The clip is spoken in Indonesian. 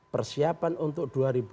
persiapan untuk dua ribu dua puluh